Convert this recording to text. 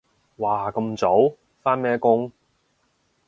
哇咁早？返咩工？